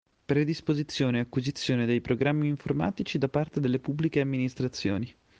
Predisposizione e acquisizione dei programmi informatici da parte delle Pubbliche Amministrazioni.